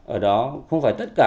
ở đó không phải tất cả